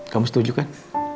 kamu setuju kan